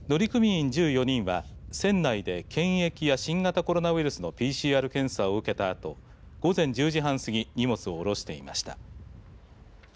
乗組員１４人は船内で検疫や新型コロナウイルスのＰＣＲ検査を受けたあと午前１０時半すぎ荷物を降ろしていました。